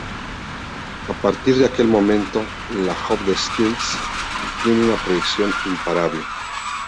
A partir de aquel momento la "Jove de Sitges" tiene una proyección imparable.